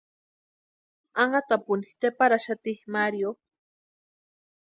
Anhatapuni tʼeparaxati Mario.